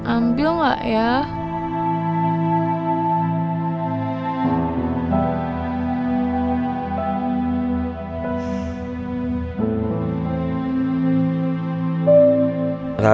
ambil gak ya